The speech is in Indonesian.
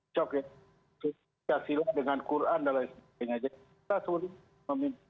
saya silahkan dengan quran dan lain lain